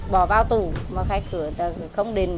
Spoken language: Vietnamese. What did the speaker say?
bỏ vào tủ mà khách không đến